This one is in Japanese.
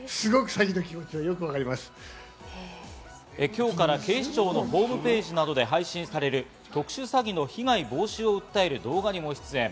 今日から警視庁のホームページなどで配信される、特殊詐欺の被害防止を訴える動画にも出演。